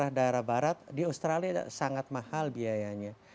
di daerah barat di australia sangat mahal biayanya